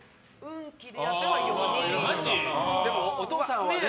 でもお父さんはね。